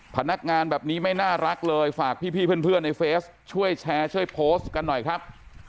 พนักงานแบบนี้ไม่น่ารักเลยฝากพี่เพื่อนในเฟซช่วยแชร์ช่วยโพสต์กันหน่อยครับ